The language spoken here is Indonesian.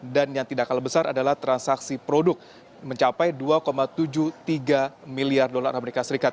dan yang tidak kalah besar adalah transaksi produk mencapai dua tujuh puluh tiga miliar dolar as